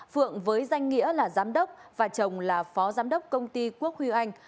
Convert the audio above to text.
phượng với danh nghĩa là giám đốc và chồng là phó giám đốc công ty quốc huy anh